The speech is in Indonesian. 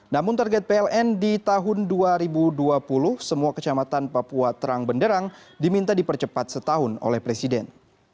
namun target pln di tahun dua ribu dua puluh semua kecamatan papua terang benderang diminta dipercepat setahun oleh presiden